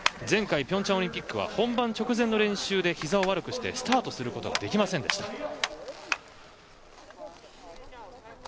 前回平昌オリンピックは本番直前の練習でひざを悪くしてスタートすることができませんでした。